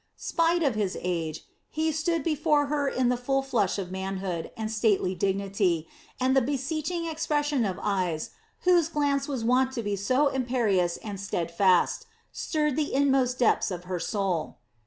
Spite of his age, he stood before her in the full flush of manhood and stately dignity, and the beseeching expression of eyes whose glance was wont to be so imperious and steadfast stirred the inmost depths of her soul.